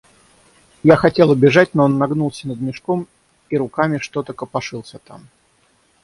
Я хотела бежать, но он нагнулся над мешком и руками что-то копошится там...